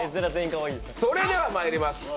それではまいります。